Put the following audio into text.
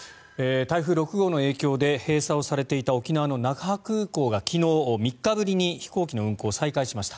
台風６号の影響で閉鎖されていた沖縄の那覇空港が昨日、３日ぶりに飛行機の運航を再開しました。